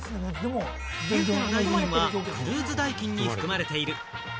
ビュッフェの代金はクルーズ代金に含まれている。